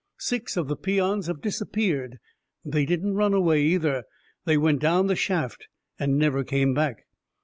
Six of the peons have disappeared they didn't run away, either. They went down the shaft and never came back."